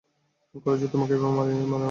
কলেজেও তোমাকে এভাবে মারামারি করতে দেখিনি।